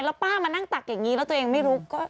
แล้วป้ามานั่งตักอย่างนี้แล้วตัวเองไม่รู้